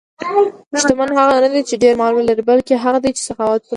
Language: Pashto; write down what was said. شتمن هغه نه دی چې ډېر مال ولري، بلکې هغه دی چې سخاوت لري.